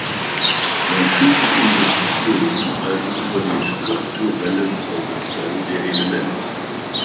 Man führt die Induktion also über den strukturellen Aufbau der Elemente.